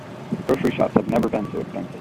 Grocery shops have never been so expensive.